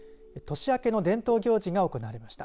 年明けの伝統行事が行われました。